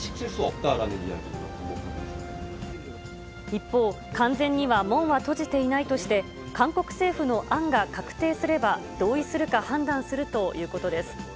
一方、完全には門は閉じていないとして、韓国政府の案が確定すれば、同意するか判断するということです。